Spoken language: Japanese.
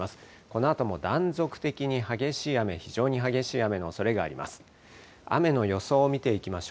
このあとも断続的に激しい雨、非常に激しい雨のおそれがあります。